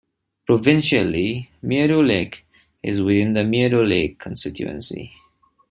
Provincially, Meadow Lake is within the Meadow Lake constituency.